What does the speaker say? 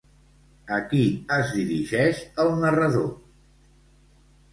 A qui es dirigeix el narrador?